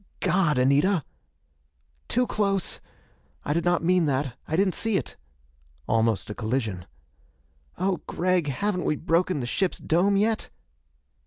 "God, Anita!" "Too close! I did not mean that I didn't see it." Almost a collision. "Oh, Gregg, haven't we broken the ship's dome yet?"